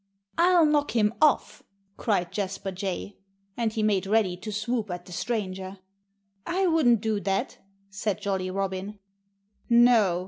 "I'll knock him off!" cried Jasper Jay. And he made ready to swoop at the stranger. "I wouldn't do that!" said Jolly Robin. "No!"